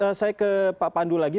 nah saya ke pak pandu lagi